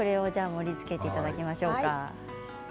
盛りつけていただきましょう。